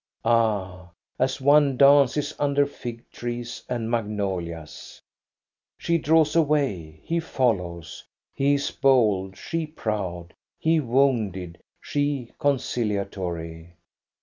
Ah, as one dances under fig trees and magnolias! She draws away, he follows ; he is bold, she proud ; he wounded, she conciliatory.